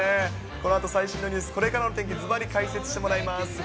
このあと最新のニュース、これからのお天気、ずばり解説してもらいます。